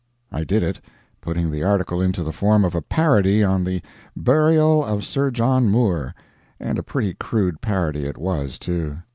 I did it, putting the article into the form of a parody on the "Burial of Sir John Moore" and a pretty crude parody it was, too.